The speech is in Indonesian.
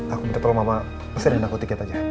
aku minta tolong mama pesenin aku tiket aja